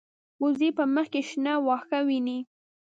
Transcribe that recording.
وزې په مخ کې شنه واښه ویني